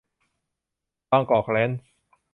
บางกอกแร้นช์